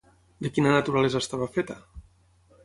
De quina naturalesa estava feta?